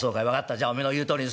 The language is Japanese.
じゃおめえの言うとおりにするよ。